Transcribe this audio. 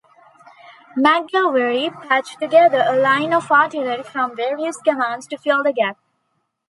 McGilvery patched together a line of artillery from various commands to fill the gap.